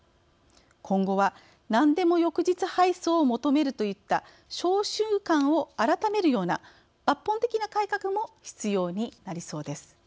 今後はなんでも翌日配送を求めるといった商習慣を改めるような抜本的な改革も必要になりそうです。